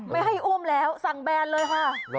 ไม่ให้อ้วมแล้วสั่งแบนเลยค่ะ